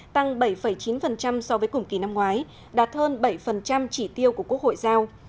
tăng bảy chín so với cùng kỳ năm ngoái đạt hơn bảy chỉ tiêu của quốc hội giao